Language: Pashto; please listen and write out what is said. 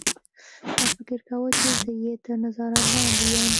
ما فکر کاوه چې زه یې تر نظارت لاندې یم